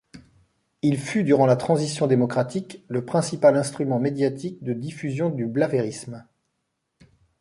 Il fut durant la transition démocratique le principal instrument médiatique de diffusion du blavérisme.